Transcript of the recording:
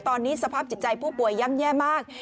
ตอนนี้สภาพจิตใจผู้ป่วยย่ำแย่มาก